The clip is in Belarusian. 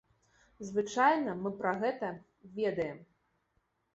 Звычайна мы пра гэта ведаем.